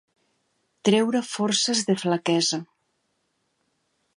Treure forces de flaquesa.